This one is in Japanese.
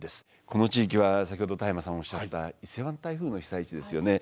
この地域は先ほど田山さんがおっしゃった伊勢湾台風の被災地ですよね。